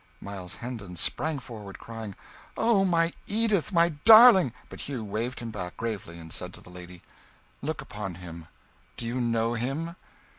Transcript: Miles Hendon sprang forward, crying out "Oh, my Edith, my darling " But Hugh waved him back, gravely, and said to the lady "Look upon him. Do you know him?"